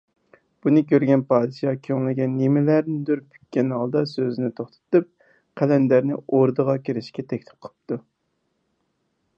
بۇنى كۆرگەن پادىشاھ كۆڭلىگە نېمىلەرنىدۇر پۈككەن ھالدا سۆزىنى توختىتىپ، قەلەندەرنى ئوردىغا كىرىشكە تەكلىپ قىپتۇ.